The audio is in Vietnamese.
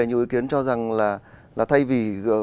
nhiều ý kiến cho rằng là thay vì